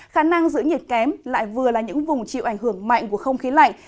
khả năng giữ nhiệt kém lại vừa là những vùng chịu ảnh hưởng mạnh của không khí lạnh